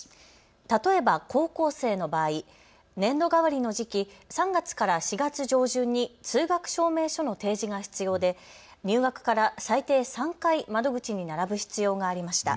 例えば高校生の場合、年度替わりの時期３月から４月上旬に通学証明書の提示が必要で入学から最低３回、窓口に並ぶ必要がありました。